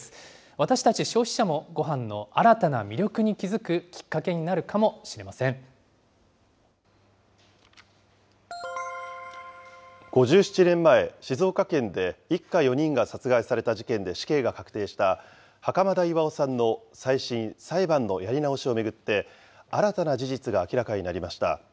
私たち消費者もごはんの新たな魅力に気付くきっかけになるかもし５７年前、静岡県で一家４人が殺害された事件で死刑が確定した袴田巌さんの再審・裁判のやり直しを巡って、新たな事実が明らかになりました。